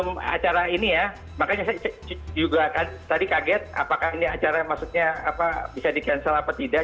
dalam acara ini ya makanya saya juga tadi kaget apakah ini acara maksudnya bisa di cancel apa tidak